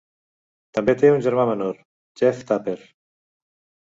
També té un germà menor, Jeff Tapert.